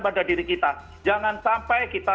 pada diri kita jangan sampai kita